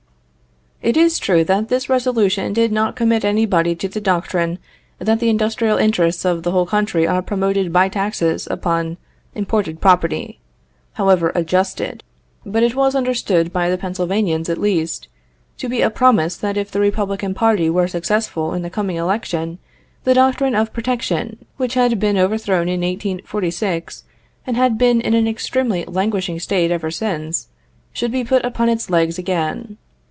461] It is true that this resolution did not commit anybody to the doctrine that the industrial interests of the whole country are promoted by taxes levied upon imported property, however "adjusted," but it was understood, by the Pennsylvanians at least, to be a promise that if the Republican party were successful in the coming election, the doctrine of protection, which had been overthrown in 1846, and had been in an extremely languishing state ever since, should be put upon its legs again.